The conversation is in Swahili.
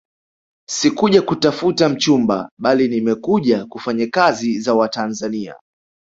Sikuja kutafuta mchumba bali nimekuja kufanya kazi za Watanzania